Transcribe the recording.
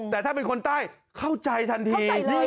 แต่ถ้าเป็นคนใต้เข้าใจทันที